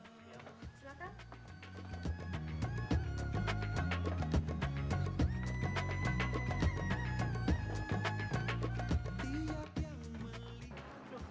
berhubungan dengan suami tetangganya tetangganya tetangganya tetangganya